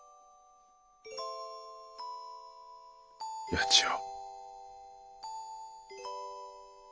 八千代。